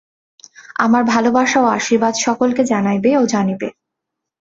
আমার ভালবাসা ও আশীর্বাদ সকলকে জানাইবে ও জানিবে।